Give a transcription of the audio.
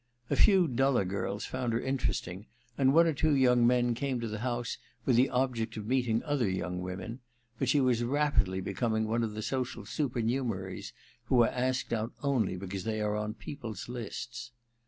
A few i8a V THE MISSION OF JANE 183 duller girls found her interesting, and one or two young men came to the house with the object of meeting other young women ; but she was rapidly becoming one of the social super numeraries who are asked out only because they are on people's lists.